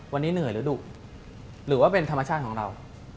วันนี้เหนื่อยหรือดุหรือว่าเป็นธรรมชาติของเรา